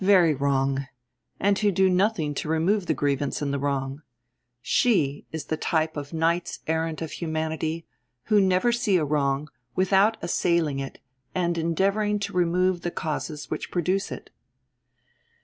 very wrong!" and who do nothing to remove the grievance and the wrong; she is the type of the knights errant of humanity, who never see a wrong without assailing it, and endeavouring to remove the causes which produce it.